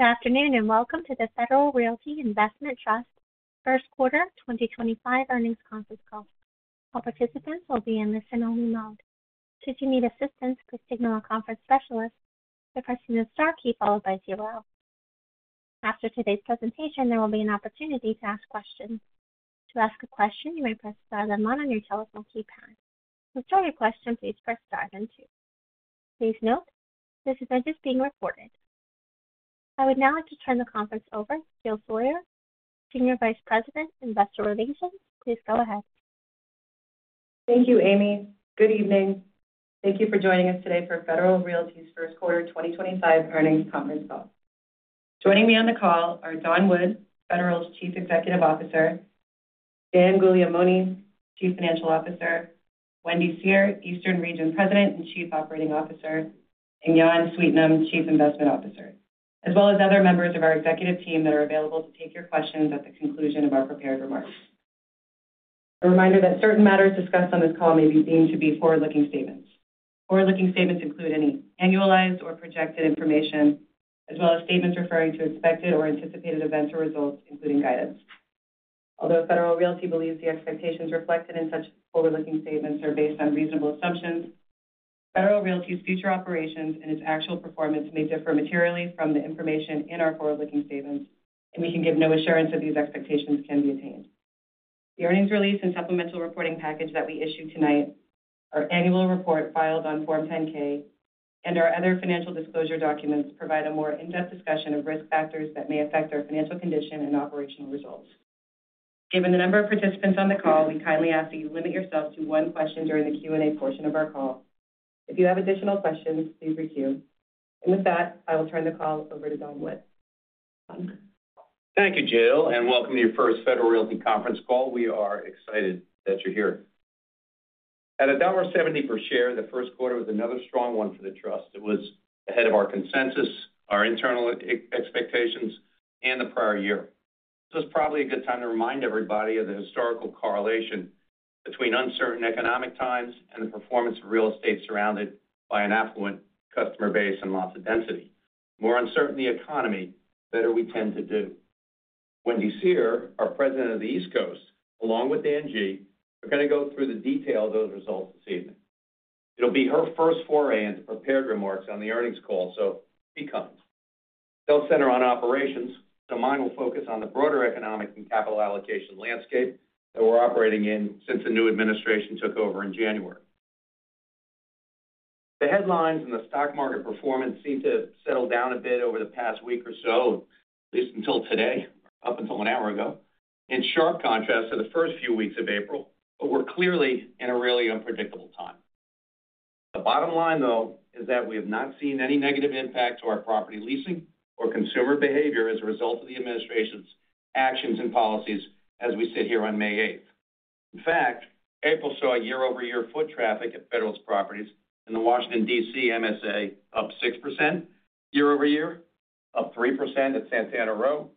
Good afternoon and welcome to the Federal Realty Investment Trust first quarter 2025 earnings conference call. All participants will be in listen-only mode. Should you need assistance, please signal a conference specialist by pressing the star key followed by zero. After today's presentation, there will be an opportunity to ask questions. To ask a question, you may press star then one on your telephone keypad. To start your question, please press star then two. Please note, this is now being recorded. I would now like to turn the conference over to Jill Sawyer, Senior Vice President, Investor Relations. Please go ahead. Thank you, Amy. Good evening. Thank you for joining us today for Federal Realty's first quarter 2025 earnings conference call. Joining me on the call are Don Wood, Federal's Chief Executive Officer, Dan Guglielmone, Chief Financial Officer, Wendy Seher, Eastern Region President and Chief Operating Officer, and Jan Sweetnam, Chief Investment Officer, as well as other members of our executive team that are available to take your questions at the conclusion of our prepared remarks. A reminder that certain matters discussed on this call may be deemed to be forward-looking statements. Forward-looking statements include any annualized or projected information, as well as statements referring to expected or anticipated events or results, including guidance. Although Federal Realty believes the expectations reflected in such forward-looking statements are based on reasonable assumptions, Federal Realty's future operations and its actual performance may differ materially from the information in our forward-looking statements, and we can give no assurance that these expectations can be attained. The earnings release and supplemental reporting package that we issue tonight, our annual report filed on Form 10-K, and our other financial disclosure documents provide a more in-depth discussion of risk factors that may affect our financial condition and operational results. Given the number of participants on the call, we kindly ask that you limit yourself to one question during the Q&A portion of our call. If you have additional questions, please recue. With that, I will turn the call over to Don Wood. Thank you, Jill, and welcome to your first Federal Realty conference call. We are excited that you're here. At $1.70 per share, the first quarter was another strong one for the trust. It was ahead of our consensus, our internal expectations, and the prior year. It is probably a good time to remind everybody of the historical correlation between uncertain economic times and the performance of real estate surrounded by an affluent customer base and lots of density. The more uncertain the economy, the better we tend to do. Wendy Seher, our President of the East Coast, along with Dan G., are going to go through the detail of those results this evening. It will be her first foray into prepared remarks on the earnings call, so she comes. They'll center on operations, so mine will focus on the broader economic and capital allocation landscape that we're operating in since the new administration took over in January. The headlines and the stock market performance seem to have settled down a bit over the past week or so, at least until today, up until an hour ago, in sharp contrast to the first few weeks of April. We're clearly in a really unpredictable time. The bottom line, though, is that we have not seen any negative impact to our property leasing or consumer behavior as a result of the administration's actions and policies as we sit here on May 8th. In fact, April saw year-over-year foot traffic at Federal Realty properties in the Washington, D.C. MSA up 6% year-over-year, up 3% at Santana Row,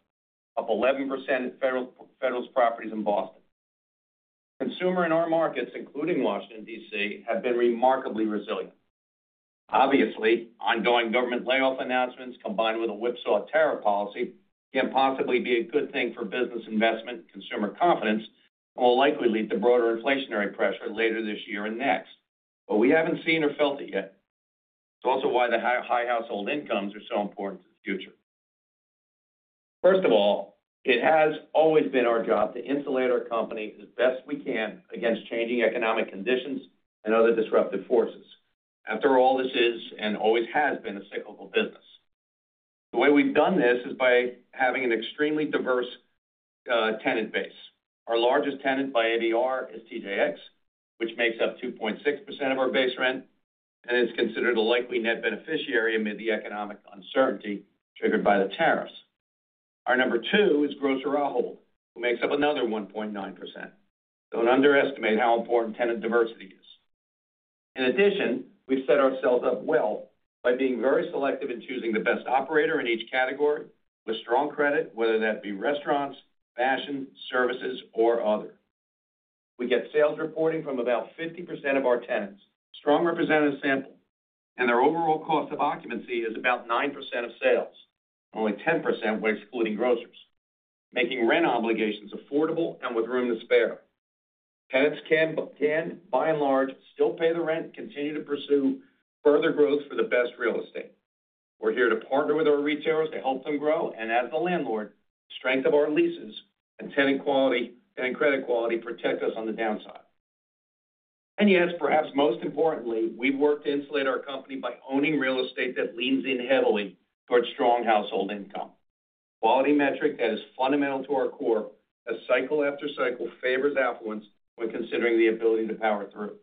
up 11% at Federal's properties in Boston. Consumer in our markets, including Washington, D.C., have been remarkably resilient. Obviously, ongoing government layoff announcements combined with a whipsaw tariff policy can possibly be a good thing for business investment and consumer confidence and will likely lead to broader inflationary pressure later this year and next, but we have not seen or felt it yet. It is also why the high household incomes are so important to the future. First of all, it has always been our job to insulate our company as best we can against changing economic conditions and other disruptive forces. After all, this is and always has been a cyclical business. The way we have done this is by having an extremely diverse tenant base. Our largest tenant by ABR is TJX, which makes up 2.6% of our base rent, and it is considered a likely net beneficiary amid the economic uncertainty triggered by the tariffs. Our number two is grocer Ahold Delhaize, who makes up another 1.9%. Don't underestimate how important tenant diversity is. In addition, we've set ourselves up well by being very selective in choosing the best operator in each category with strong credit, whether that be restaurants, fashion, services, or other. We get sales reporting from about 50% of our tenants, a strong representative sample, and their overall cost of occupancy is about 9% of sales, only 10% when excluding grocers, making rent obligations affordable and with room to spare. Tenants can, by and large, still pay the rent and continue to pursue further growth for the best real estate. We're here to partner with our retailers to help them grow and, as the landlord, strengthen our leases and tenant quality and credit quality protect us on the downside. Yet, perhaps most importantly, we've worked to insulate our company by owning real estate that leans in heavily towards strong household income, a quality metric that is fundamental to our core that cycle after cycle favors affluence when considering the ability to power through.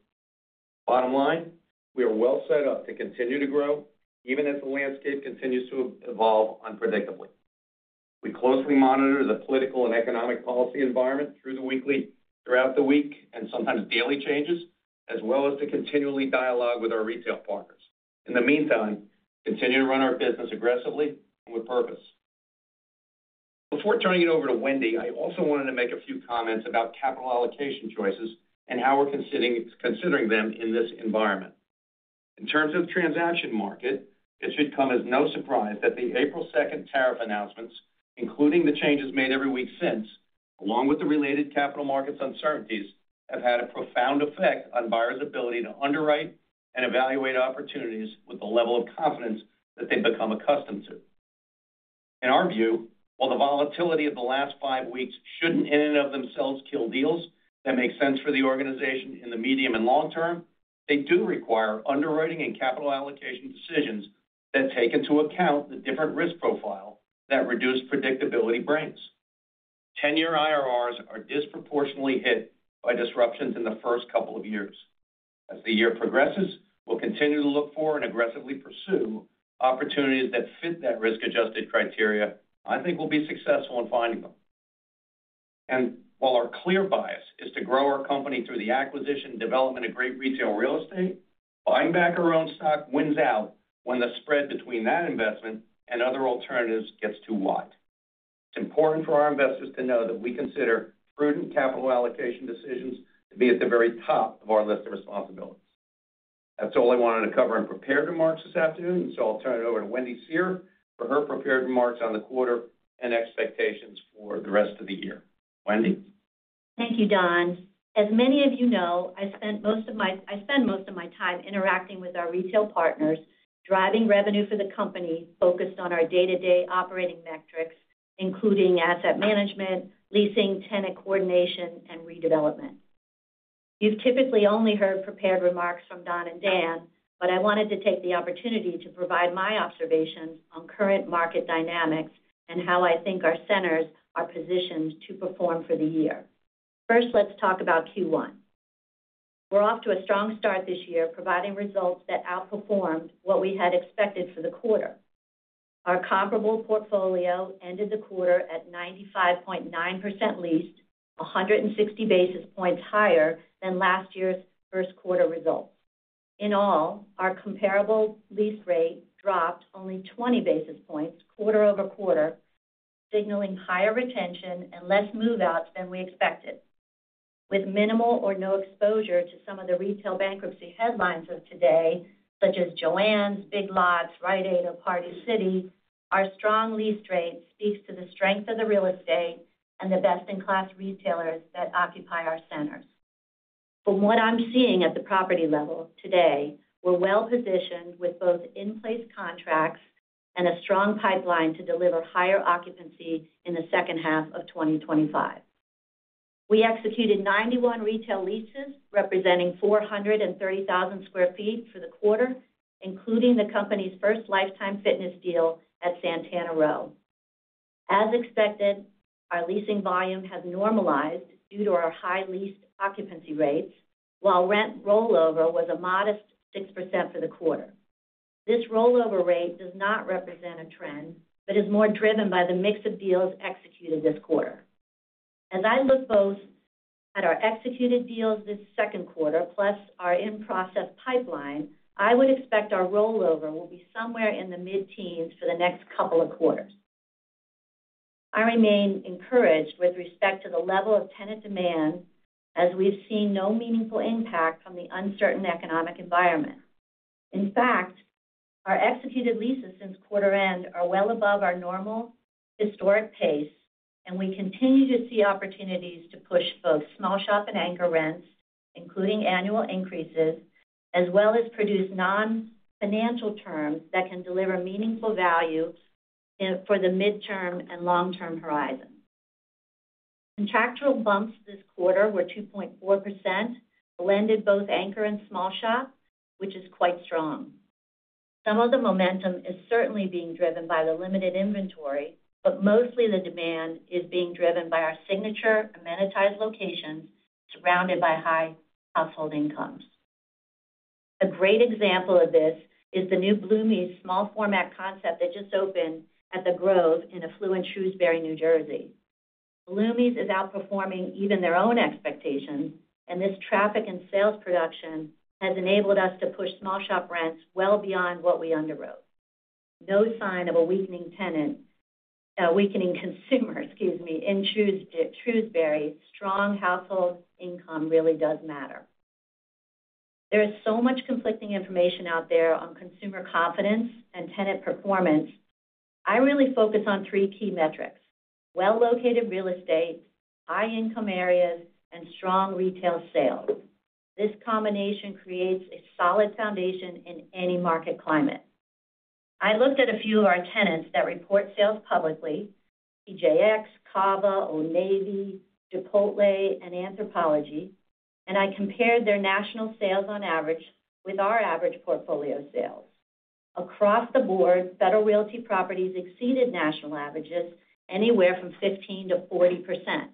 Bottom line, we are well set up to continue to grow even as the landscape continues to evolve unpredictably. We closely monitor the political and economic policy environment throughout the week, and sometimes daily changes, as well as to continually dialogue with our retail partners. In the meantime, continue to run our business aggressively and with purpose. Before turning it over to Wendy, I also wanted to make a few comments about capital allocation choices and how we're considering them in this environment. In terms of the transaction market, it should come as no surprise that the April 2nd tariff announcements, including the changes made every week since, along with the related capital markets uncertainties, have had a profound effect on buyers' ability to underwrite and evaluate opportunities with the level of confidence that they've become accustomed to. In our view, while the volatility of the last five weeks shouldn't in and of themselves kill deals that make sense for the organization in the medium and long term, they do require underwriting and capital allocation decisions that take into account the different risk profile that reduced predictability brings. Ten-year IRRs are disproportionately hit by disruptions in the first couple of years. As the year progresses, we'll continue to look for and aggressively pursue opportunities that fit that risk-adjusted criteria. I think we'll be successful in finding them. While our clear bias is to grow our company through the acquisition and development of great retail real estate, buying back our own stock wins out when the spread between that investment and other alternatives gets too wide. It's important for our investors to know that we consider prudent capital allocation decisions to be at the very top of our list of responsibilities. That's all I wanted to cover in prepared remarks this afternoon, so I'll turn it over to Wendy Seher for her prepared remarks on the quarter and expectations for the rest of the year. Wendy. Thank you, Don. As many of you know, I spent most of my—I spend most of my time interacting with our retail partners, driving revenue for the company, focused on our day-to-day operating metrics, including asset management, leasing, tenant coordination, and redevelopment. You've typically only heard prepared remarks from Don and Dan, but I wanted to take the opportunity to provide my observations on current market dynamics and how I think our centers are positioned to perform for the year. First, let's talk about Q1. We're off to a strong start this year, providing results that outperformed what we had expected for the quarter. Our comparable portfolio ended the quarter at 95.9% leased, 160 basis points higher than last year's first quarter results. In all, our comparable lease rate dropped only 20 basis points quarter over quarter, signaling higher retention and less move-outs than we expected. With minimal or no exposure to some of the retail bankruptcy headlines of today, such as Joann Stores, Big Lots, Rite Aid, or Party City, our strong lease rate speaks to the strength of the real estate and the best-in-class retailers that occupy our centers. From what I'm seeing at the property level today, we're well positioned with both in-place contracts and a strong pipeline to deliver higher occupancy in the second half of 2025. We executed 91 retail leases representing 430,000 sq ft for the quarter, including the company's first Life Time Group Holdings fitness deal at Santana Row. As expected, our leasing volume has normalized due to our high lease occupancy rates, while rent rollover was a modest 6% for the quarter. This rollover rate does not represent a trend but is more driven by the mix of deals executed this quarter. As I look both at our executed deals this second quarter plus our in-process pipeline, I would expect our rollover will be somewhere in the mid-teens for the next couple of quarters. I remain encouraged with respect to the level of tenant demand as we've seen no meaningful impact from the uncertain economic environment. In fact, our executed leases since quarter-end are well above our normal historic pace, and we continue to see opportunities to push both small shop and anchor rents, including annual increases, as well as produce non-financial terms that can deliver meaningful value for the mid-term and long-term horizon. Contractual bumps this quarter were 2.4%, blended both anchor and small shop, which is quite strong. Some of the momentum is certainly being driven by the limited inventory, but mostly the demand is being driven by our signature amenitized locations surrounded by high household incomes. A great example of this is the new Blue Meese small format concept that just opened at The Grove in Cherry Hill, New Jersey. Blue Meese is outperforming even their own expectations, and this traffic and sales production has enabled us to push small shop rents well beyond what we underwrote. No sign of a weakening consumer, excuse me, in Cherry Hill. Strong household income really does matter. There is so much conflicting information out there on consumer confidence and tenant performance. I really focus on three key metrics: well-located real estate, high-income areas, and strong retail sales. This combination creates a solid foundation in any market climate. I looked at a few of our tenants that report sales publicly: TJX, CAVA, Old Navy, Duluth Trading Company, and Anthropologie, and I compared their national sales on average with our average portfolio sales. Across the board, Federal Realty properties exceeded national averages anywhere from 15% to 40%.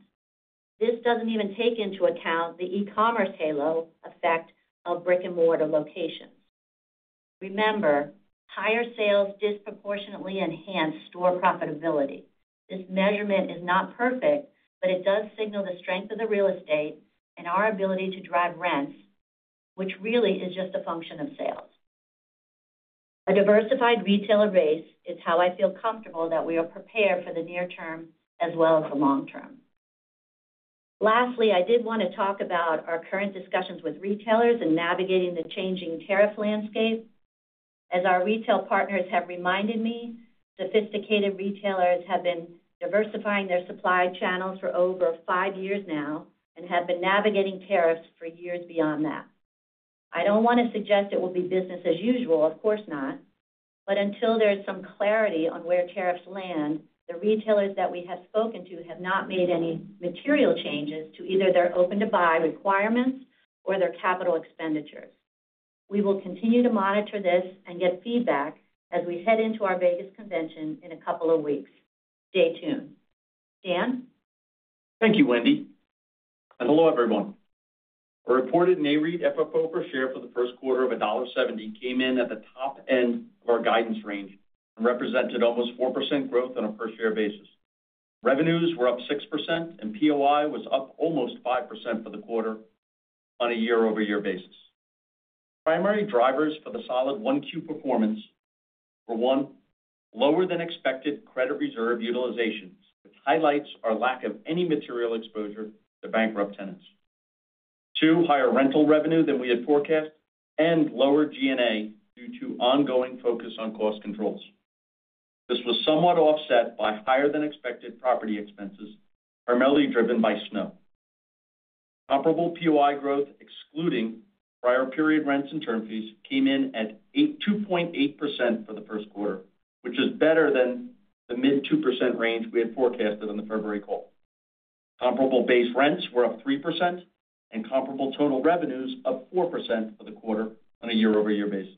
This does not even take into account the e-commerce halo effect of brick-and-mortar locations. Remember, higher sales disproportionately enhance store profitability. This measurement is not perfect, but it does signal the strength of the real estate and our ability to drive rents, which really is just a function of sales. A diversified retailer base is how I feel comfortable that we are prepared for the near term as well as the long term. Lastly, I did want to talk about our current discussions with retailers and navigating the changing tariff landscape. As our retail partners have reminded me, sophisticated retailers have been diversifying their supply channels for over five years now and have been navigating tariffs for years beyond that. I don't want to suggest it will be business as usual, of course not, but until there's some clarity on where tariffs land, the retailers that we have spoken to have not made any material changes to either their open-to-buy requirements or their capital expenditures. We will continue to monitor this and get feedback as we head into our Vegas convention in a couple of weeks. Stay tuned. Dan? Thank you, Wendy. Hello, everyone. Our reported NAREIT FFO per share for the first quarter of $1.70 came in at the top end of our guidance range and represented almost 4% growth on a per-share basis. Revenues were up 6%, and POI was up almost 5% for the quarter on a year-over-year basis. Primary drivers for the solid first quarter performance were, one, lower-than-expected credit reserve utilization, which highlights our lack of any material exposure to bankrupt tenants. Two, higher rental revenue than we had forecast and lower G&A due to ongoing focus on cost controls. This was somewhat offset by higher-than-expected property expenses, primarily driven by snow. Comparable POI growth, excluding prior period rents and term fees, came in at 2.8% for the first quarter, which is better than the mid-2% range we had forecasted on the February call. Comparable base rents were up 3%, and comparable total revenues up 4% for the quarter on a year-over-year basis.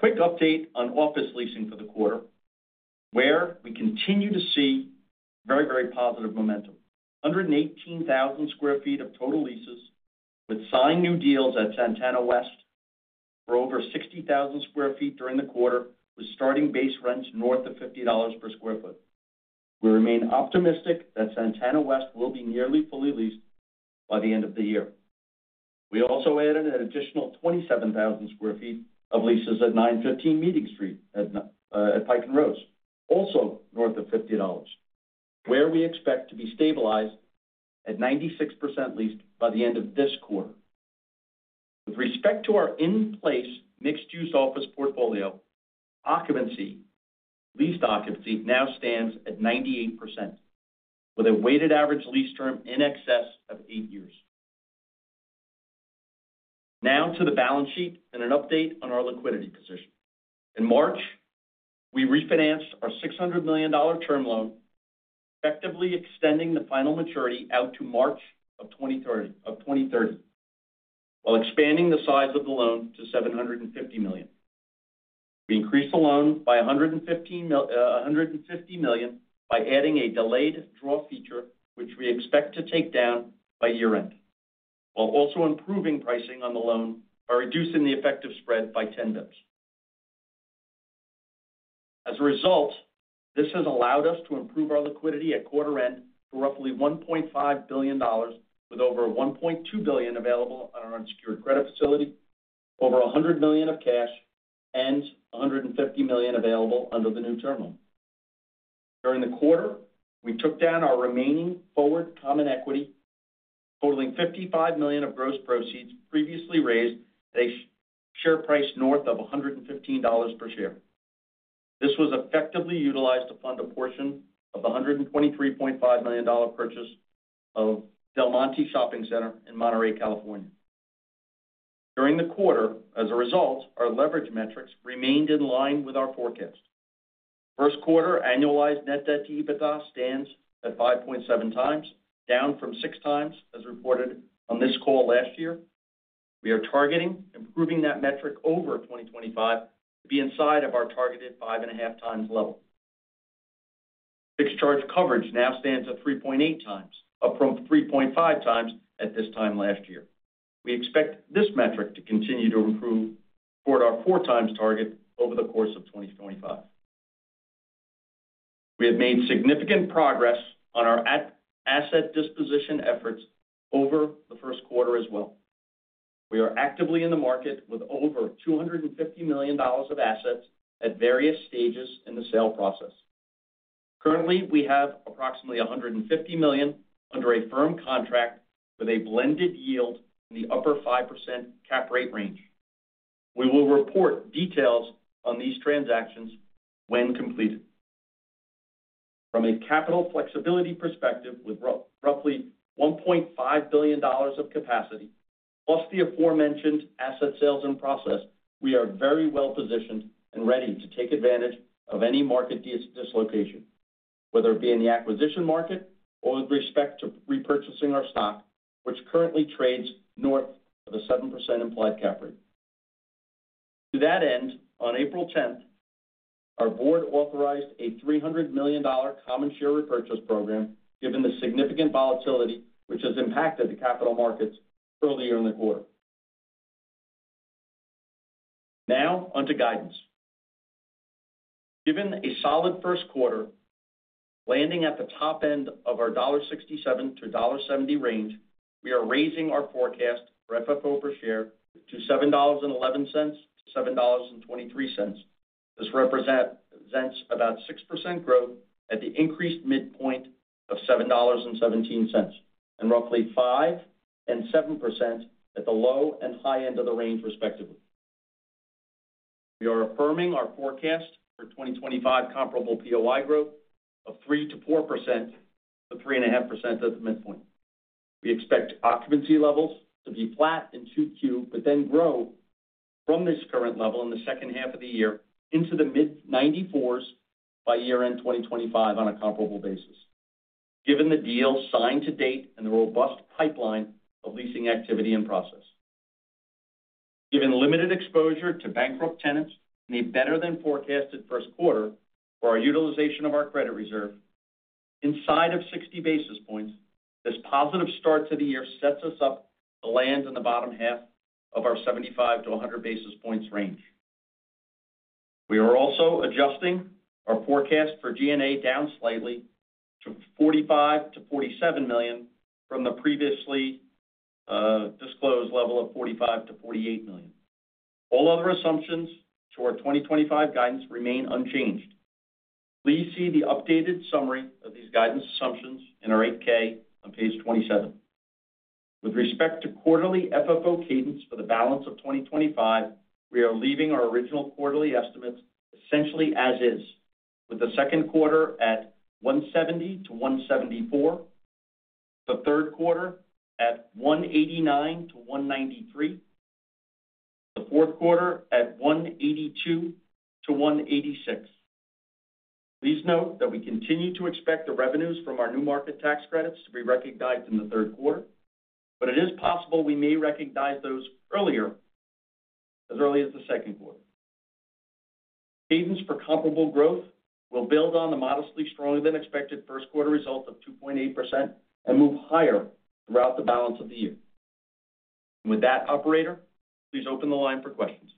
A quick update on office leasing for the quarter, where we continue to see very, very positive momentum. 118,000 sq ft of total leases with signed new deals at Santana West for over 60,000 sq ft during the quarter, with starting base rents north of $50 per sq ft. We remain optimistic that Santana West will be nearly fully leased by the end of the year. We also added an additional 27,000 sq ft of leases at 915 Meeting Street at Pike & Rose, also north of $50, where we expect to be stabilized at 96% leased by the end of this quarter. With respect to our in-place mixed-use office portfolio, leased occupancy now stands at 98%, with a weighted average lease term in excess of eight years. Now to the balance sheet and an update on our liquidity position. In March, we refinanced our $600 million term loan, effectively extending the final maturity out to March of 2030 while expanding the size of the loan to $750 million. We increased the loan by $150 million by adding a delayed draw feature, which we expect to take down by year-end, while also improving pricing on the loan by reducing the effective spread by 10 basis points. As a result, this has allowed us to improve our liquidity at quarter-end to roughly $1.5 billion, with over $1.2 billion available on our unsecured credit facility, over $100 million of cash, and $150 million available under the new term loan. During the quarter, we took down our remaining forward common equity, totaling $55 million of gross proceeds previously raised at a share price north of $115 per share. This was effectively utilized to fund a portion of the $123.5 million purchase of Del Monte Shopping Center in Monterey, California. During the quarter, as a result, our leverage metrics remained in line with our forecast. First quarter annualized net debt to EBITDA stands at 5.7 times, down from 6 times as reported on this call last year. We are targeting improving that metric over 2025 to be inside of our targeted 5.5 times level. Fixed charge coverage now stands at 3.8 times, up from 3.5 times at this time last year. We expect this metric to continue to improve toward our 4-times target over the course of 2025. We have made significant progress on our asset disposition efforts over the first quarter as well. We are actively in the market with over $250 million of assets at various stages in the sale process. Currently, we have approximately $150 million under a firm contract with a blended yield in the upper 5% cap rate range. We will report details on these transactions when completed. From a capital flexibility perspective, with roughly $1.5 billion of capacity plus the aforementioned asset sales and process, we are very well positioned and ready to take advantage of any market dislocation, whether it be in the acquisition market or with respect to repurchasing our stock, which currently trades north of a 7% implied cap rate. To that end, on April 10th, our board authorized a $300 million common share repurchase program given the significant volatility which has impacted the capital markets earlier in the quarter. Now onto guidance. Given a solid first quarter, landing at the top end of our $1.67-$1.70 range, we are raising our forecast for FFO per share to $7.11-$7.23. This represents about 6% growth at the increased midpoint of $7.17 and roughly 5% and 7% at the low and high end of the range, respectively. We are affirming our forecast for 2025 comparable POI growth of 3% to 4%, 3.5% at the midpoint. We expect occupancy levels to be flat in 2Q but then grow from this current level in the second half of the year into the mid-94s by year-end 2025 on a comparable basis, given the deals signed to date and the robust pipeline of leasing activity and process. Given limited exposure to bankrupt tenants and a better-than-forecasted first quarter for our utilization of our credit reserve, inside of 60 basis points, this positive start to the year sets us up to land in the bottom half of our 75-100 basis points range. We are also adjusting our forecast for G&A down slightly to $45-$47 million from the previously disclosed level of $45-$48 million. All other assumptions to our 2025 guidance remain unchanged. Please see the updated summary of these guidance assumptions in our 8-K on page 27. With respect to quarterly FFO cadence for the balance of 2025, we are leaving our original quarterly estimates essentially as is, with the second quarter at $170-$174, the third quarter at $189-$193, the fourth quarter at $182-$186. Please note that we continue to expect the revenues from our new market tax credits to be recognized in the third quarter, but it is possible we may recognize those earlier as early as the second quarter. Cadence for comparable growth will build on the modestly stronger-than-expected first quarter result of 2.8% and move higher throughout the balance of the year. With that, Operator, please open the line for questions.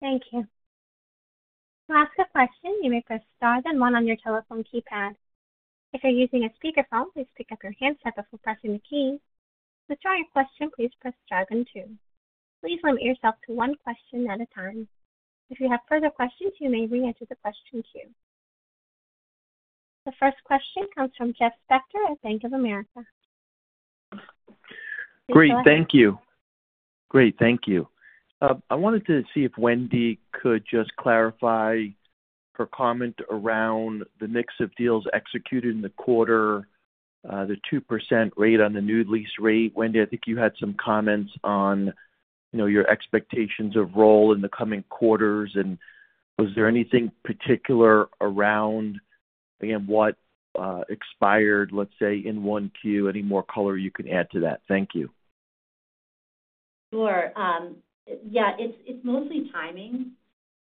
Thank you. To ask a question, you may press star and one on your telephone keypad. If you're using a speakerphone, please pick up your handset before pressing the key. To start your question, please press star and two. Please limit yourself to one question at a time. If you have further questions, you may re-enter the question queue. The first question comes from Jeff Spector at Bank of America. Great. Thank you. I wanted to see if Wendy could just clarify her comment around the mix of deals executed in the quarter, the 2% rate on the new lease rate. Wendy, I think you had some comments on your expectations of roll in the coming quarters. Was there anything particular around, again, what expired, let's say, in 1Q? Any more color you can add to that? Thank you. Sure. Yeah. It is mostly timing.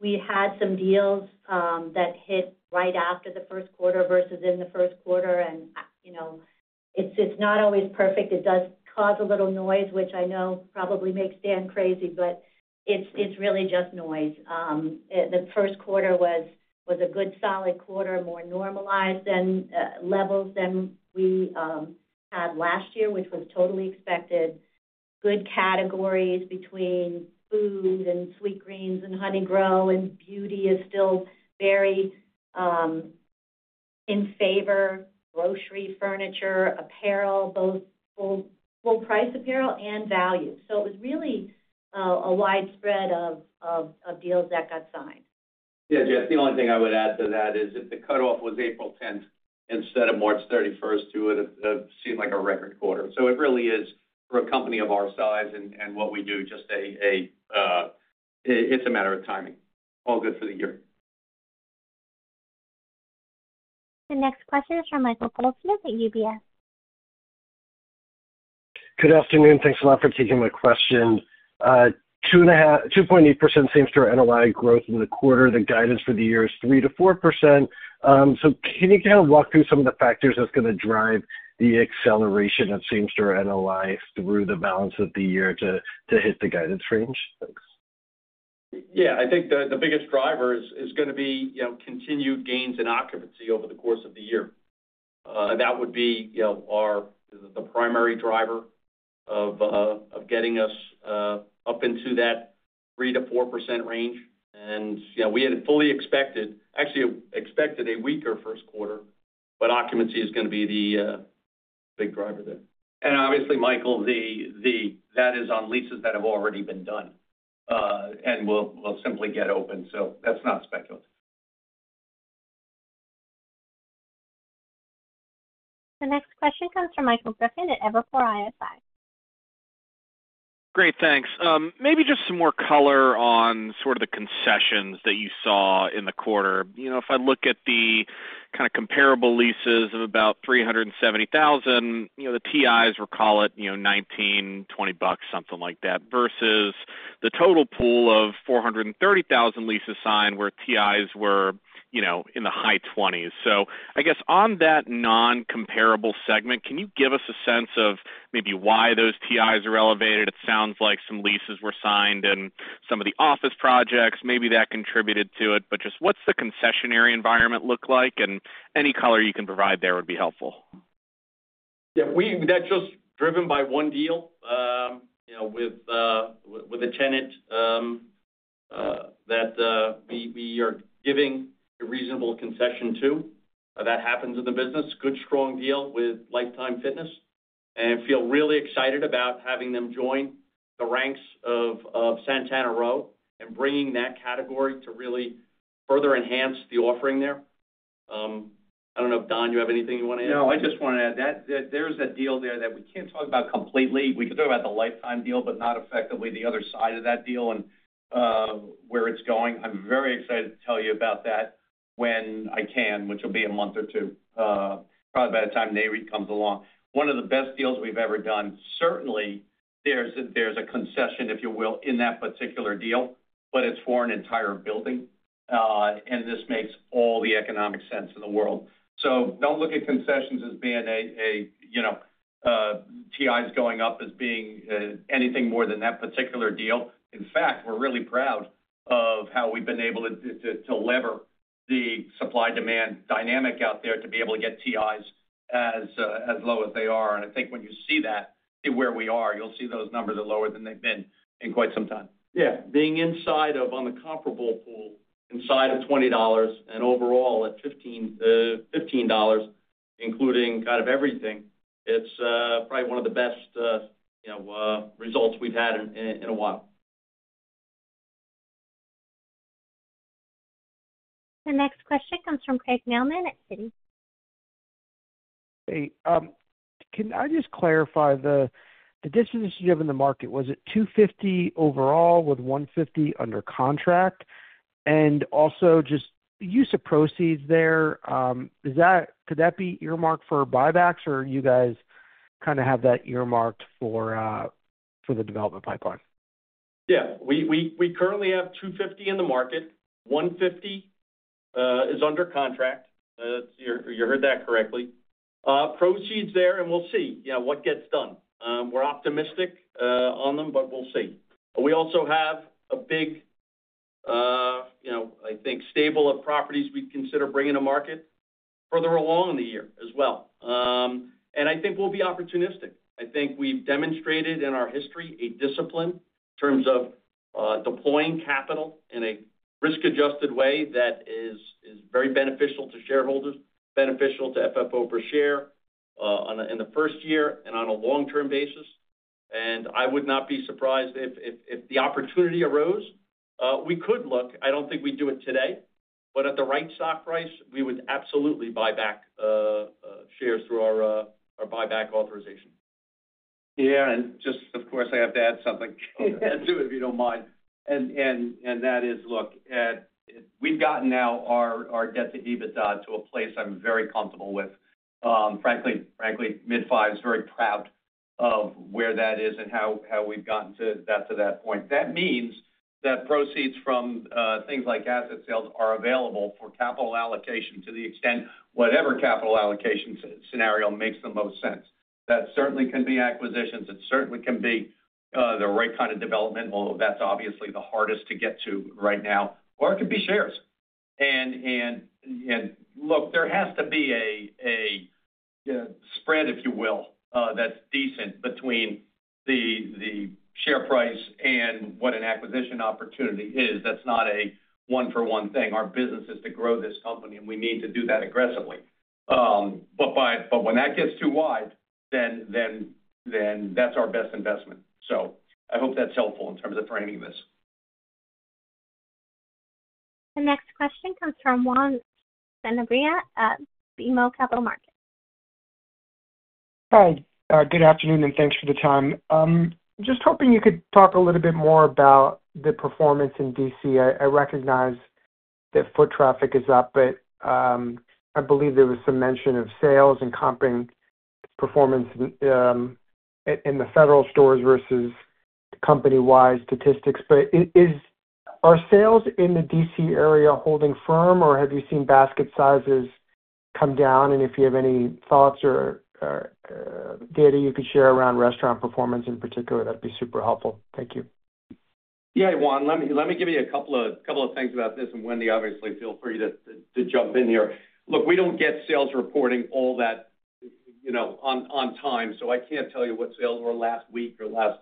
We had some deals that hit right after the first quarter versus in the first quarter. It is not always perfect. It does cause a little noise, which I know probably makes Dan crazy, but it is really just noise. The first quarter was a good solid quarter, more normalized levels than we had last year, which was totally expected. Good categories between food and Sweetgreen and Honeygrow and beauty is still very in favor: grocery, furniture, apparel, both full-price apparel and value. It was really a widespread of deals that got signed. Yeah, Jeff, the only thing I would add to that is if the cutoff was April 10 instead of March 31, it would have seemed like a record quarter. It really is, for a company of our size and what we do, just a matter of timing. All good for the year. The next question is from Michael Boltzmann at UBS. Good afternoon. Thanks a lot for taking my question. 2.8% seems to our NOI growth in the quarter. The guidance for the year is 3%-4%. Can you kind of walk through some of the factors that's going to drive the acceleration of seams to our NOI through the balance of the year to hit the guidance range? Thanks. Yeah. I think the biggest driver is going to be continued gains in occupancy over the course of the year. That would be the primary driver of getting us up into that 3%-4% range. We had fully expected, actually expected a weaker first quarter, but occupancy is going to be the big driver there. Obviously, Michael, that is on leases that have already been done and will simply get open. That's not speculative. The next question comes from Michael Griffin at Evercore ISI. Great. Thanks. Maybe just some more color on sort of the concessions that you saw in the quarter. If I look at the kind of comparable leases of about $370,000, the TIs were, call it, 19, 20 bucks, something like that, versus the total pool of 430,000 leases signed where TIs were in the high 20s. I guess on that non-comparable segment, can you give us a sense of maybe why those TIs are elevated? It sounds like some leases were signed in some of the office projects. Maybe that contributed to it. Just what's the concessionary environment look like? Any color you can provide there would be helpful. Yeah. That's just driven by one deal with a tenant that we are giving a reasonable concession to. That happens in the business. Good, strong deal with Life Time Fitness. And I feel really excited about having them join the ranks of Santana Row and bringing that category to really further enhance the offering there. I don't know, Don, you have anything you want to add? No. I just want to add that there's a deal there that we can't talk about completely. We can talk about the Life Time deal, but not effectively the other side of that deal and where it's going. I'm very excited to tell you about that when I can, which will be a month or two, probably by the time Nayrie comes along. One of the best deals we've ever done. Certainly, there's a concession, if you will, in that particular deal, but it's for an entire building. This makes all the economic sense in the world. Do not look at concessions as being TIs going up as being anything more than that particular deal. In fact, we're really proud of how we've been able to lever the supply-demand dynamic out there to be able to get TIs as low as they are. I think when you see that, see where we are, you'll see those numbers are lower than they've been in quite some time. Yeah. Being inside of on the comparable pool, inside of $20 and overall at $15, including kind of everything, it's probably one of the best results we've had in a while. The next question comes from Craig Mailman at Citi. Hey. Can I just clarify the distance you have in the market? Was it 250 overall with 150 under contract? Also, just use of proceeds there, could that be earmarked for buybacks or you guys kind of have that earmarked for the development pipeline? Yeah. We currently have 250 in the market. 150 is under contract. You heard that correctly. Proceeds there, and we'll see what gets done. We're optimistic on them, but we'll see. We also have a big, I think, stable of properties we'd consider bringing to market further along in the year as well. I think we'll be opportunistic. I think we've demonstrated in our history a discipline in terms of deploying capital in a risk-adjusted way that is very beneficial to shareholders, beneficial to FFO per share in the first year and on a long-term basis. I would not be surprised if the opportunity arose. We could look. I don't think we'd do it today. At the right stock price, we would absolutely buy back shares through our buyback authorization. Yeah. And just, of course, I have to add something to it, if you do not mind. That is, look, we have gotten now our debt-to-EBITDA to a place I am very comfortable with. Frankly, mid-five is very proud of where that is and how we have gotten to that point. That means that proceeds from things like asset sales are available for capital allocation to the extent whatever capital allocation scenario makes the most sense. That certainly can be acquisitions. It certainly can be the right kind of development, although that is obviously the hardest to get to right now. Or it could be shares. Look, there has to be a spread, if you will, that is decent between the share price and what an acquisition opportunity is. That is not a one-for-one thing. Our business is to grow this company, and we need to do that aggressively. When that gets too wide, then that's our best investment. I hope that's helpful in terms of framing this. The next question comes from Juan Sanabria at BMO Capital Markets. Hi. Good afternoon, and thanks for the time. Just hoping you could talk a little bit more about the performance in D.C. I recognize that foot traffic is up, but I believe there was some mention of sales and comping performance in the Federal stores versus company-wide statistics. Are sales in the D.C. area holding firm, or have you seen basket sizes come down? If you have any thoughts or data you could share around restaurant performance in particular, that would be super helpful. Thank you. Yeah, Juan, let me give you a couple of things about this. And Wendy, obviously, feel free to jump in here. Look, we do not get sales reporting all that on time. I cannot tell you what sales were last week or last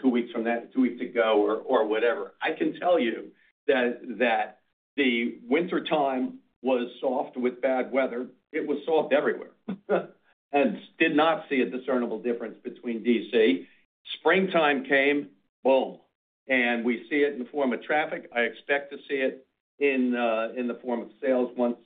two weeks from now, two weeks ago or whatever. I can tell you that the wintertime was soft with bad weather. It was soft everywhere and did not see a discernible difference between DC. Springtime came, boom. We see it in the form of traffic. I expect to see it in the form of sales once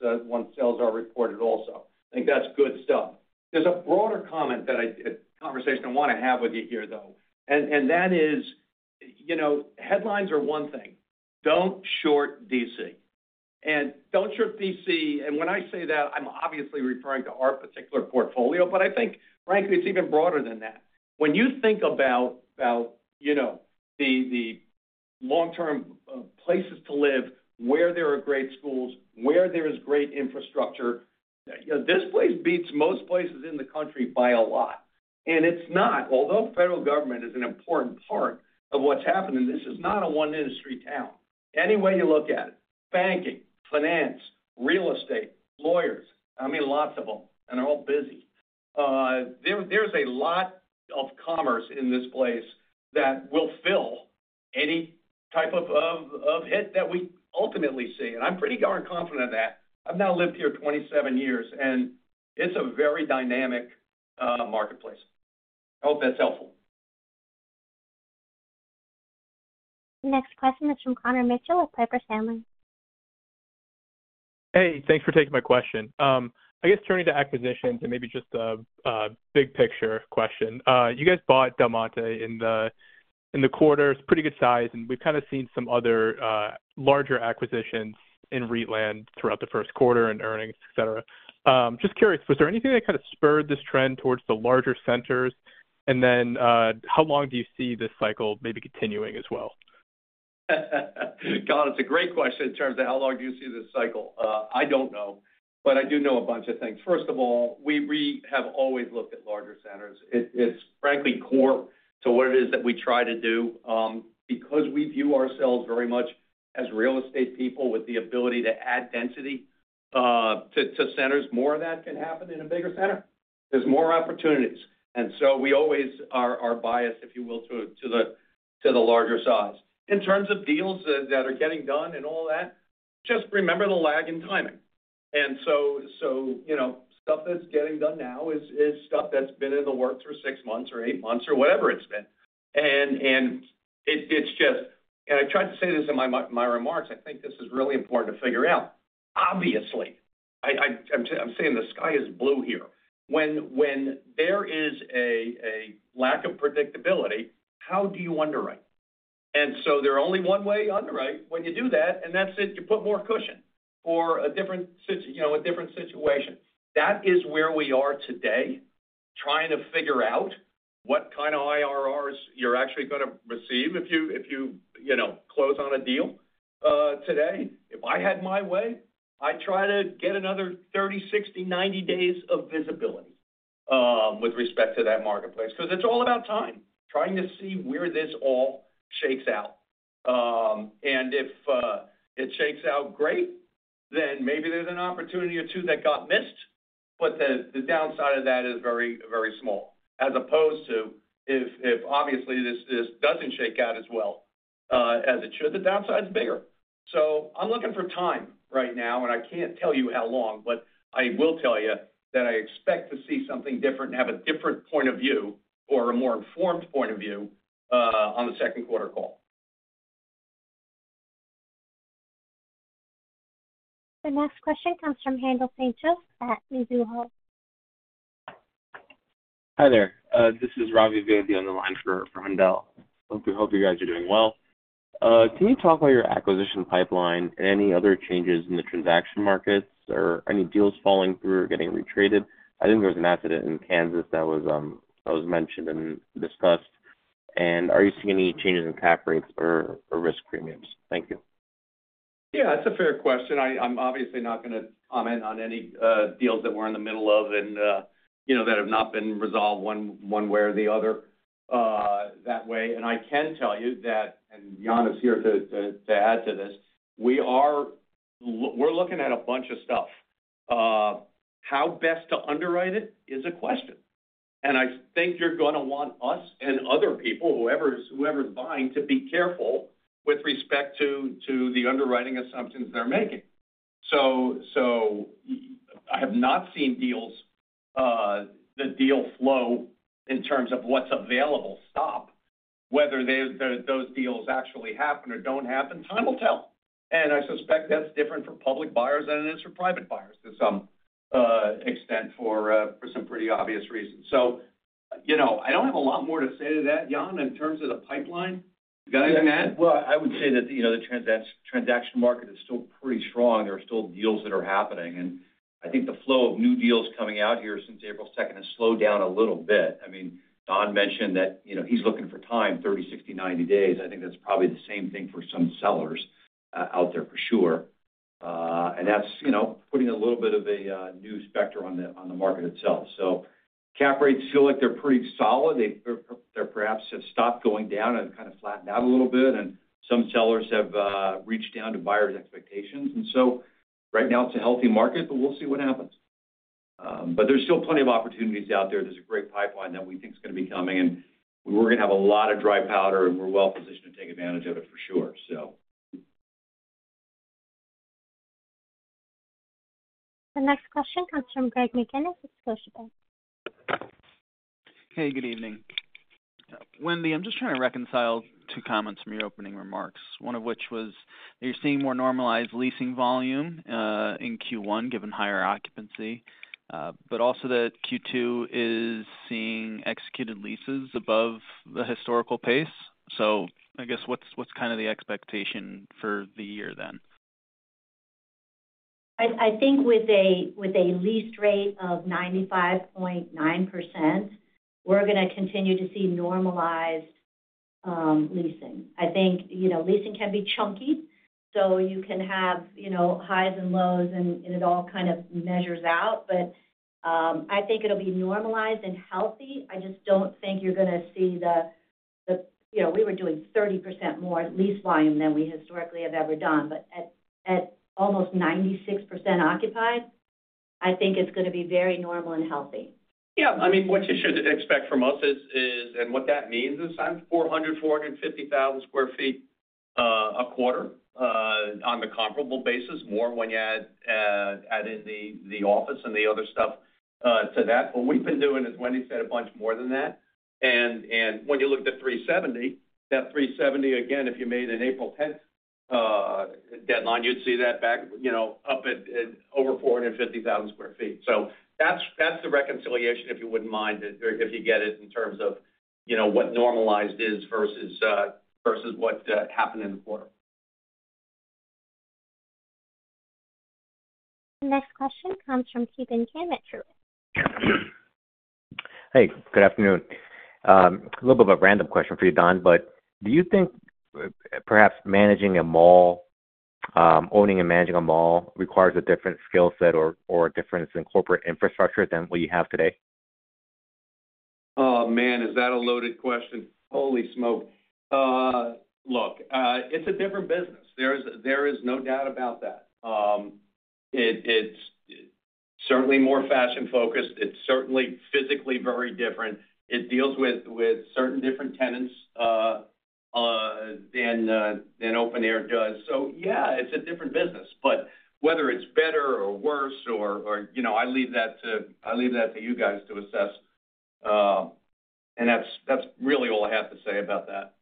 sales are reported also. I think that is good stuff. There is a broader comment that I did, conversation I want to have with you here, though. That is, headlines are one thing. Do not short DC. Do not short DC. When I say that, I'm obviously referring to our particular portfolio. I think, frankly, it's even broader than that. When you think about the long-term places to live, where there are great schools, where there is great infrastructure, this place beats most places in the country by a lot. It's not, although federal government is an important part of what's happening. This is not a one-industry town. Any way you look at it, banking, finance, real estate, lawyers, I mean, lots of them, and they're all busy. There's a lot of commerce in this place that will fill any type of hit that we ultimately see. I'm pretty darn confident of that. I've now lived here 27 years, and it's a very dynamic marketplace. I hope that's helpful. The next question is from Connor Mitchell at Piper Sandler. Hey, thanks for taking my question. I guess turning to acquisitions and maybe just a big picture question. You guys bought Del Monte in the quarter. It's pretty good size. We've kind of seen some other larger acquisitions in Wheatland throughout the first quarter and earnings, etc. Just curious, was there anything that kind of spurred this trend towards the larger centers? How long do you see this cycle maybe continuing as well? God, it's a great question in terms of how long do you see this cycle. I don't know. But I do know a bunch of things. First of all, we have always looked at larger centers. It's frankly core to what it is that we try to do. Because we view ourselves very much as real estate people with the ability to add density to centers, more of that can happen in a bigger center. There's more opportunities. And so we always are biased, if you will, to the larger size. In terms of deals that are getting done and all that, just remember the lag in timing. And so stuff that's getting done now is stuff that's been in the works for six months or eight months or whatever it's been. It is just, and I tried to say this in my remarks, I think this is really important to figure out. Obviously, I am saying the sky is blue here. When there is a lack of predictability, how do you underwrite? There is only one way to underwrite when you do that, and that is it. You put more cushion for a different situation. That is where we are today, trying to figure out what kind of IRRs you are actually going to receive if you close on a deal today. If I had my way, I would try to get another 30, 60, 90 days of visibility with respect to that marketplace. Because it is all about time, trying to see where this all shakes out. If it shakes out great, then maybe there is an opportunity or two that got missed. The downside of that is very, very small. As opposed to if obviously this does not shake out as well as it should, the downside is bigger. I am looking for time right now, and I cannot tell you how long, but I will tell you that I expect to see something different and have a different point of view or a more informed point of view on the second quarter call. The next question comes from Haendel St. Juste at Mizuho. Hi there. This is Ravi Vaidya on the line for Handel. Hope you guys are doing well. Can you talk about your acquisition pipeline and any other changes in the transaction markets or any deals falling through or getting retreated? I think there was an accident in Kansas that was mentioned and discussed. Are you seeing any changes in cap rates or risk premiums? Thank you. Yeah, that's a fair question. I'm obviously not going to comment on any deals that we're in the middle of and that have not been resolved one way or the other that way. I can tell you that, and Jan is here to add to this, we're looking at a bunch of stuff. How best to underwrite it is a question. I think you're going to want us and other people, whoever's buying, to be careful with respect to the underwriting assumptions they're making. I have not seen the deal flow in terms of what's available. Whether those deals actually happen or don't happen, time will tell. I suspect that's different for public buyers than it is for private buyers to some extent for some pretty obvious reasons. I don't have a lot more to say to that, Jan, in terms of the pipeline. You got anything to add? I would say that the transaction market is still pretty strong. There are still deals that are happening. I think the flow of new deals coming out here since April 2nd has slowed down a little bit. I mean, Don mentioned that he's looking for time, 30, 60, 90 days. I think that's probably the same thing for some sellers out there for sure. That's putting a little bit of a new specter on the market itself. Cap rates feel like they're pretty solid. They perhaps have stopped going down and have kind of flattened out a little bit. Some sellers have reached down to buyers' expectations. Right now, it's a healthy market, but we'll see what happens. There's still plenty of opportunities out there. There's a great pipeline that we think is going to be coming. We're going to have a lot of dry powder, and we're well-positioned to take advantage of it for sure. The next question comes from Greg McGinniss at Scotiabank. Hey, good evening. Wendy, I'm just trying to reconcile two comments from your opening remarks, one of which was that you're seeing more normalized leasing volume in Q1 given higher occupancy, but also that Q2 is seeing executed leases above the historical pace. I guess what's kind of the expectation for the year then? I think with a lease rate of 95.9%, we're going to continue to see normalized leasing. I think leasing can be chunky. You can have highs and lows, and it all kind of measures out. I think it'll be normalized and healthy. I just don't think you're going to see the we were doing 30% more lease volume than we historically have ever done. At almost 96% occupied, I think it's going to be very normal and healthy. Yeah. I mean, what you should expect from us is, and what that means is 400,000-450,000 sq ft a quarter on the comparable basis, more when you add in the office and the other stuff to that. What we've been doing is, as Wendy said, a bunch more than that. When you look at the 370,000, that 370,000, again, if you made an April 10th deadline, you'd see that back up at over 450,000 sq ft. That's the reconciliation, if you wouldn't mind, if you get it in terms of what normalized is versus what happened in the quarter. The next question comes from Ki Bin Kim. Hey, good afternoon. A little bit of a random question for you, Don, but do you think perhaps managing a mall, owning and managing a mall, requires a different skill set or a difference in corporate infrastructure than what you have today? Man, is that a loaded question. Holy smoke. Look, it's a different business. There is no doubt about that. It's certainly more fashion-focused. It's certainly physically very different. It deals with certain different tenants than open air does. Yeah, it's a different business. Whether it's better or worse, I leave that to you guys to assess. That's really all I have to say about that.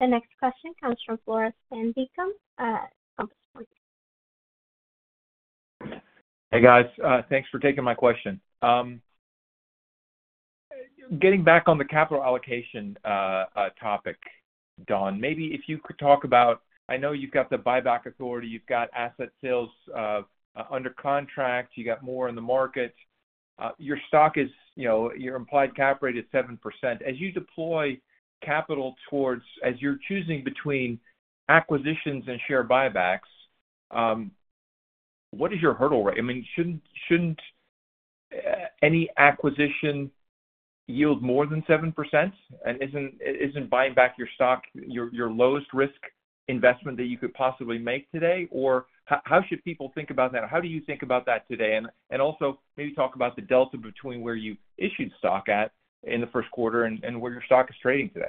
The next question comes from Floris Van Dijkum, Compass Point. Hey, guys. Thanks for taking my question. Getting back on the capital allocation topic, Don, maybe if you could talk about, I know you've got the buyback authority. You've got asset sales under contract. You got more in the market. Your stock is, your implied cap rate is 7%. As you deploy capital towards, as you're choosing between acquisitions and share buybacks, what is your hurdle rate? I mean, shouldn't any acquisition yield more than 7%? I mean, isn't buying back your stock your lowest risk investment that you could possibly make today? How should people think about that? How do you think about that today? Also maybe talk about the delta between where you issued stock at in the first quarter and where your stock is trading today.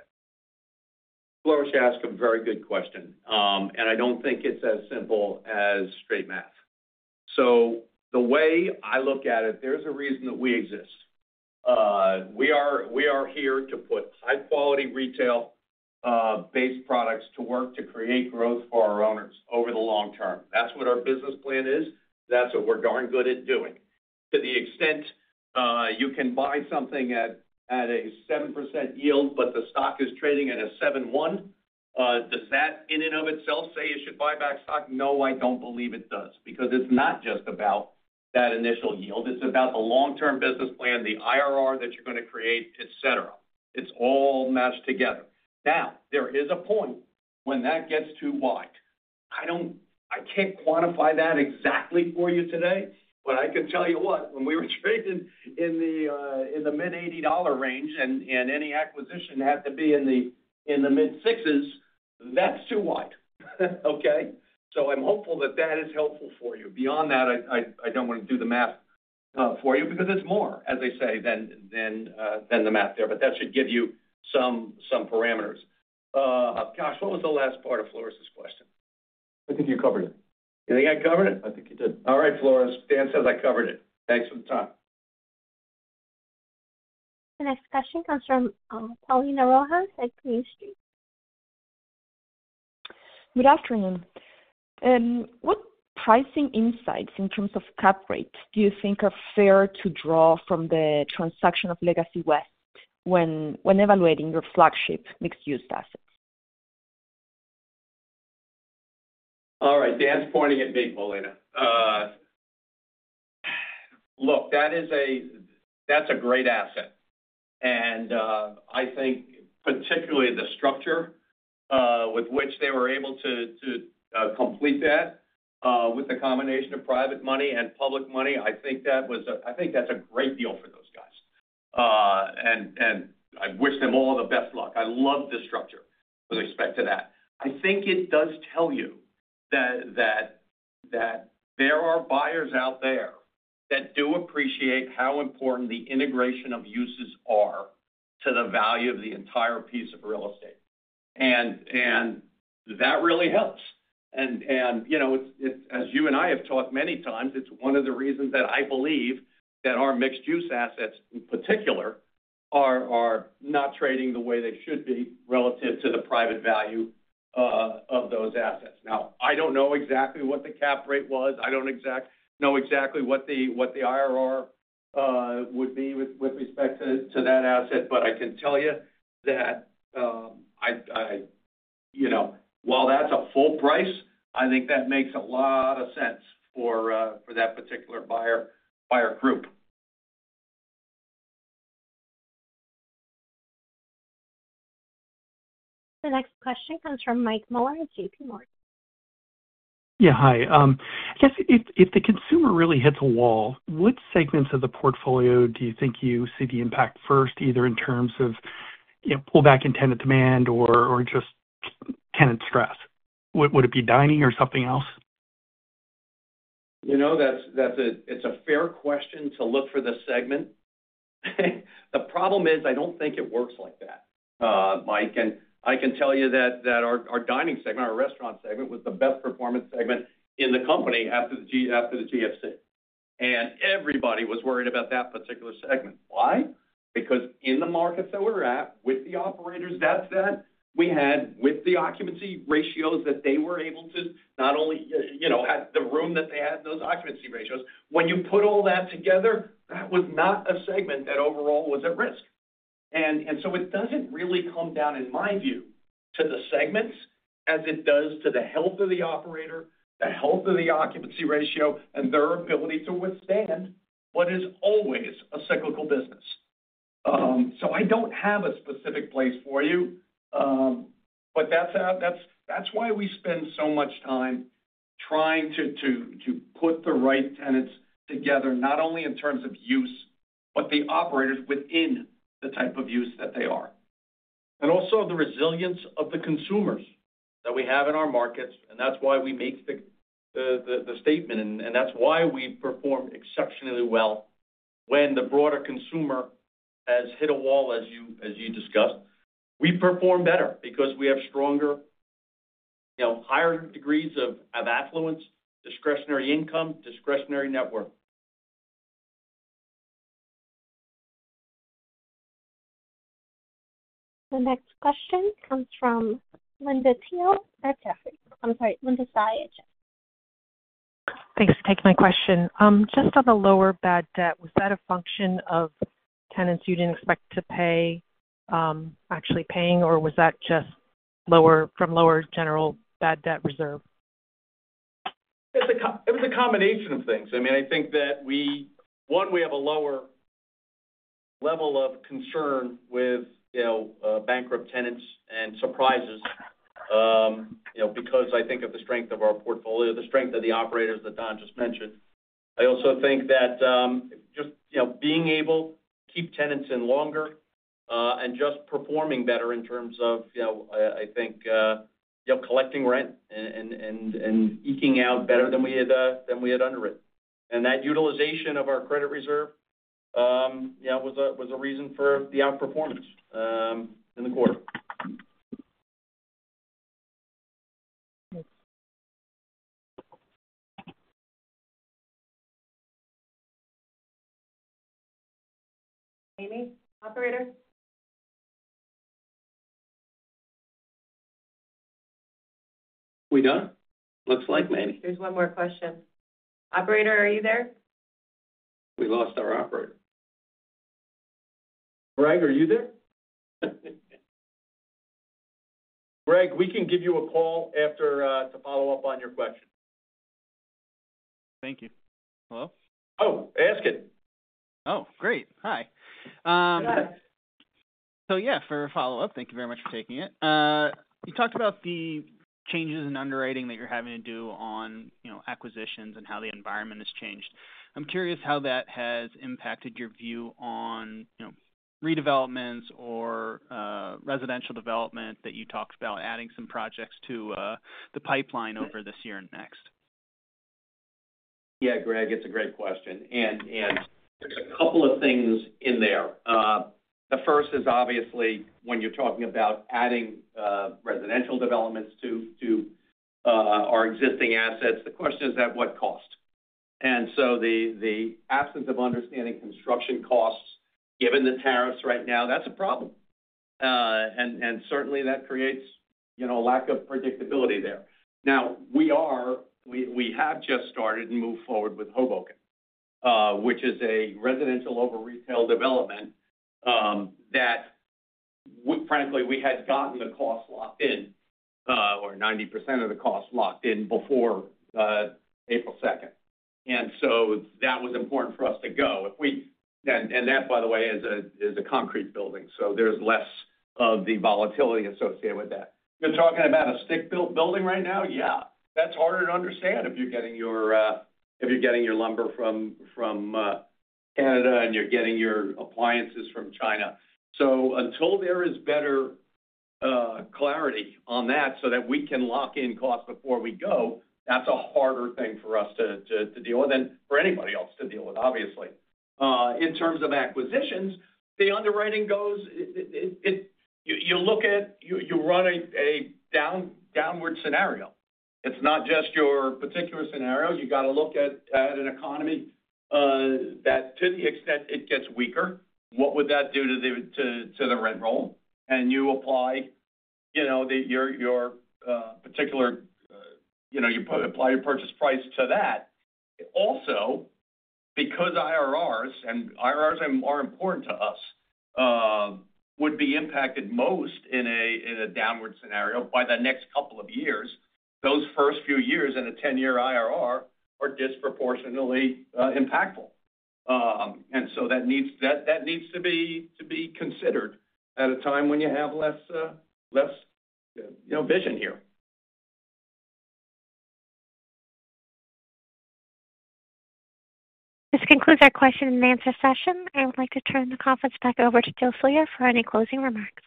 Floris, you ask a very good question. I do not think it is as simple as straight math. The way I look at it, there is a reason that we exist. We are here to put high-quality retail-based products to work to create growth for our owners over the long term. That is what our business plan is. That is what we are darn good at doing. To the extent you can buy something at a 7% yield, but the stock is trading at a 7.1%, does that in and of itself say you should buy back stock? No, I do not believe it does. Because it is not just about that initial yield. It is about the long-term business plan, the IRR that you are going to create, etc. It is all mashed together. There is a point when that gets too wide. I cannot quantify that exactly for you today. I can tell you what, when we were trading in the mid-$80 range and any acquisition had to be in the mid-6s, that's too wide. Okay? I'm hopeful that that is helpful for you. Beyond that, I don't want to do the math for you because it's more, as they say, than the math there. That should give you some parameters. Gosh, what was the last part of Floris's question? I think you covered it. You think I covered it? I think you did. All right, Floris. Dan says I covered it. Thanks for the time. The next question comes from Paulina Rojas at Green Street. Good afternoon. What pricing insights in terms of cap rates do you think are fair to draw from the transaction of Legacy West when evaluating your flagship mixed-use assets? All right. Dan's pointing at me, Paulina. Look, that's a great asset. I think particularly the structure with which they were able to complete that with the combination of private money and public money, I think that was a—I think that's a great deal for those guys. I wish them all the best luck. I love the structure with respect to that. I think it does tell you that there are buyers out there that do appreciate how important the integration of uses are to the value of the entire piece of real estate. That really helps. As you and I have talked many times, it's one of the reasons that I believe that our mixed-use assets in particular are not trading the way they should be relative to the private value of those assets. Now, I don't know exactly what the cap rate was. I don't know exactly what the IRR would be with respect to that asset. But I can tell you that while that's a full price, I think that makes a lot of sense for that particular buyer group. The next question comes from Mike Miller at JPMorgan. Yeah, hi. I guess if the consumer really hits a wall, what segments of the portfolio do you think you see the impact first, either in terms of pullback in tenant demand or just tenant stress? Would it be dining or something else? That's a fair question to look for the segment. The problem is I don't think it works like that, Mike. I can tell you that our dining segment, our restaurant segment, was the best-performance segment in the company after the GFC. Everybody was worried about that particular segment. Why? Because in the markets that we're at, with the operators that we had, with the occupancy ratios that they were able to not only had the room that they had in those occupancy ratios. When you put all that together, that was not a segment that overall was at risk. It doesn't really come down, in my view, to the segments as it does to the health of the operator, the health of the occupancy ratio, and their ability to withstand what is always a cyclical business. I don't have a specific place for you. That is why we spend so much time trying to put the right tenants together, not only in terms of use, but the operators within the type of use that they are. Also, the resilience of the consumers that we have in our markets. That is why we make the statement. That is why we perform exceptionally well when the broader consumer has hit a wall, as you discussed. We perform better because we have stronger, higher degrees of affluence, discretionary income, discretionary net worth. The next question comes from Linda Sy at Jefferies. I'm sorry, Linda Tsai at Jefferies. Thanks for taking my question. Just on the lower bad debt, was that a function of tenants you didn't expect to pay actually paying, or was that just from lower general bad debt reserve? It was a combination of things. I mean, I think that, one, we have a lower level of concern with bankrupt tenants and surprises because I think of the strength of our portfolio, the strength of the operators that Don just mentioned. I also think that just being able to keep tenants in longer and just performing better in terms of, I think, collecting rent and eking out better than we had underwritten. That utilization of our credit reserve was a reason for the outperformance in the quarter. Amy, operator? We done? Looks like maybe. There's one more question. Operator, are you there? We lost our operator. Greg, are you there? Greg, we can give you a call to follow up on your question. Thank you. Hello? Oh, ask it. Oh, great. Hi. Yeah, for a follow-up, thank you very much for taking it. You talked about the changes in underwriting that you're having to do on acquisitions and how the environment has changed. I'm curious how that has impacted your view on redevelopments or residential development that you talked about adding some projects to the pipeline over this year and next. Yeah, Greg, it's a great question. There's a couple of things in there. The first is obviously when you're talking about adding residential developments to our existing assets, the question is at what cost? The absence of understanding construction costs, given the tariffs right now, that's a problem. Certainly, that creates a lack of predictability there. We have just started and moved forward with Hoboken, which is a residential over retail development that, frankly, we had gotten the cost locked in or 90% of the cost locked in before April 2. That was important for us to go. That, by the way, is a concrete building. There's less of the volatility associated with that. You're talking about a stick-built building right now? Yeah. That's harder to understand if you're getting your lumber from Canada and you're getting your appliances from China. Until there is better clarity on that so that we can lock in costs before we go, that's a harder thing for us to deal with than for anybody else to deal with, obviously. In terms of acquisitions, the underwriting goes you look at you run a downward scenario. It's not just your particular scenario. You got to look at an economy that, to the extent it gets weaker, what would that do to the rent roll? You apply your particular you apply your purchase price to that. Also, because IRRs and IRRs are important to us, would be impacted most in a downward scenario by the next couple of years, those first few years in a 10-year IRR are disproportionately impactful. That needs to be considered at a time when you have less vision here. This concludes our question and answer session. I would like to turn the conference back over to Jill Sawyer for any closing remarks.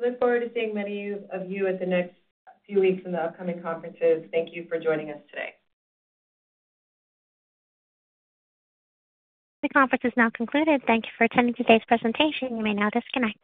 We look forward to seeing many of you in the next few weeks at the upcoming conferences. Thank you for joining us today. The conference is now concluded. Thank you for attending today's presentation. You may now disconnect.